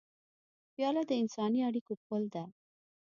پیاله د انساني اړیکو پُل ده.